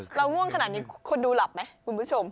ง่วงขนาดนี้คนดูหลับไหมคุณผู้ชม